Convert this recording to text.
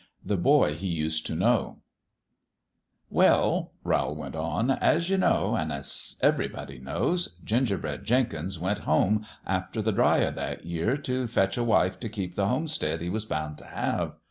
XIX THE BOY HE USED TO KNOW ""W "IT TELL," Rowl went on, " as you know, \/\/ an' as everybody knows, Ginger ^* bread Jenkins went home, after the drive o' that year, t' fetch a wife t' keep the homestead he was bound t' have.